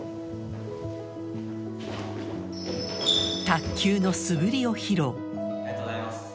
卓球の素振りを披露ありがとうございます。